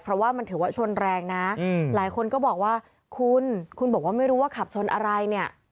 เพราะว่ามันถือว่าชนแรงนะหลายคนก็บอกว่าคุณคุณบอกว่าไม่รู้ว่าขับชนอะไรเนี่ย